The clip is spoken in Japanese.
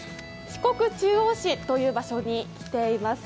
四国中央市という場所に来ています。